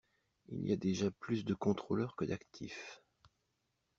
Il y a déjà plus de contrôleurs que d’actifs.